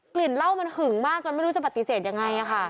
กลิ่นเหล้ามันหึงมากจนไม่ต้องมารับวัดปกติเสร็จยังไงคะ